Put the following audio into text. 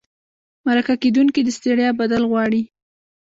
مرکه کېدونکي د ستړیا بدل غواړي.